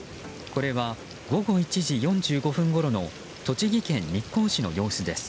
これは午後１時４５分ごろの栃木県日光市の様子です。